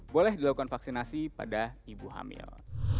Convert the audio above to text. boleh dilakukan vaksinasi pada ibu hamil